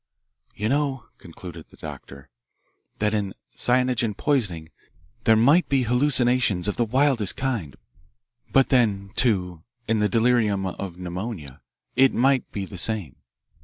"You know," concluded the doctor, "that in cyanogen poisoning there might be hallucinations of the wildest kind. But then, too, in the delirium of pneumonia it might be the same."